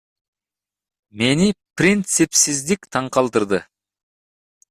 Мени принципсиздик таң калтырды.